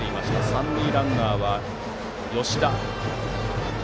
三塁ランナーは吉田です。